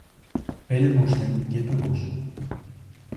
بېلى بوشنىڭ گېپى بوش.